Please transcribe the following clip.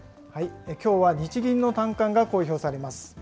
きょうは日銀の短観が公表されます。